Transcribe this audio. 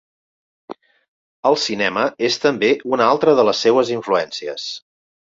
El cinema és també una altra de les seues influències.